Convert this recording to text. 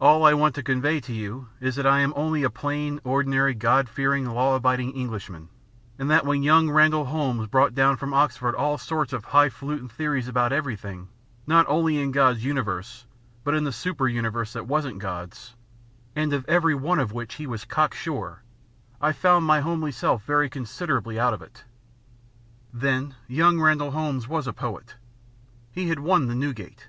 All I want to convey to you is that I am only a plain, ordinary God fearing, law abiding Englishman, and that when young Randall Holmes brought down from Oxford all sorts of highfalutin theories about everything, not only in God's Universe, but in the super Universe that wasn't God's, and of every one of which he was cocksure, I found my homely self very considerably out of it. Then young Randall was a poet. He had won the Newdigate.